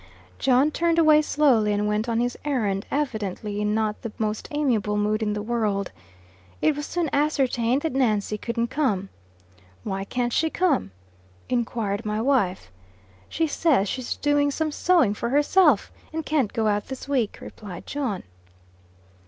John turned away slowly and went on his errand, evidently in not the most amiable mood in the world. It was soon ascertained that Nancy couldn't come. "Why can't she come?" enquired my wife. "She says she's doing some sewing for herself, and can't go out this week," replied John.